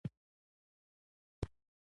دا وخت افغاني عنعنوي اداره ړنګه ده.